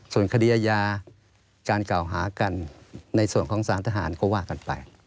ส่วนคดีอาญาการกล่าวหากันในส่วนของสารทหารก็ว่ากันไป